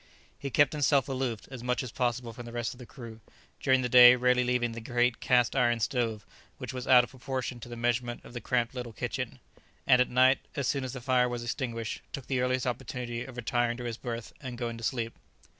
He kept himself aloof as much as possible from the rest of the crew, during the day rarely leaving the great cast iron stove, which was out of proportion to the measurement of the cramped little kitchen; and at night, as soon as the fire was extinguished, took the earliest opportunity of retiring to his berth and going to sleep.